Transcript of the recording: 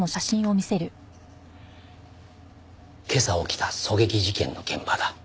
今朝起きた狙撃事件の現場だ。